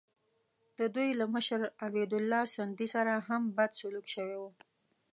د دوی له مشر عبیدالله سندي سره هم بد سلوک شوی وو.